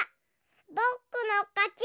ぼくのかち！